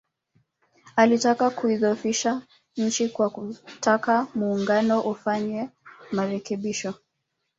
Alitaka kuidhoofisha nchi kwa kutaka Muungano ufanyiwe marekebisho